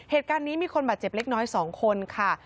เหตุการณ์นี้มีคนบาดเจ็บเล็กน้อย๒คนค่ะ